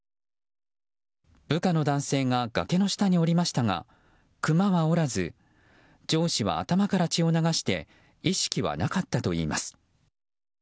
部下の男性が崖の下に下りましたが上司は頭から血を流して意識はなかったといいます。